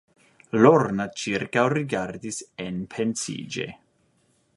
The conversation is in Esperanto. Lorna ĉirkaŭrigardis enpensiĝe.